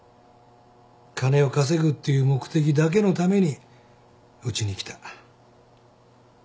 金を稼ぐっていう目的だけのためにうちに来た。